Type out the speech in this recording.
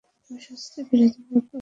আমি শাস্ত্রের বিরোধী মত মানি না।